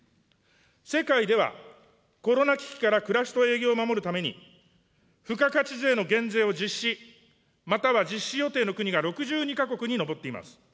世界ではコロナ危機から暮らしと営業を守るために、付加価値税の減税を実施、または実施予定の国が６２か国に上っています。